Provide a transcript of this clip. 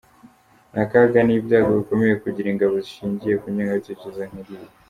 Ni akaga n’ibyago bikomeye kugira ingabo zishingiye ku ngengabitekerezo nk’iriya.